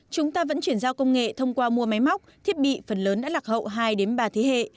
chúng ta vẫn chuyển giao công nghệ thông qua mua máy móc thiết bị phần lớn đã lạc hậu hai ba thế hệ